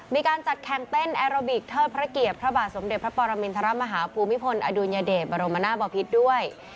มีการจัดแข่งเต้นแอโรบิกเทิดพระเกียรติพระบาทสมเด็จพระปรมินทรมาฮาภูมิพลอดุลยเดชบรมนาศบพิษด้วย